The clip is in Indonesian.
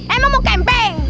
emang mau kempeng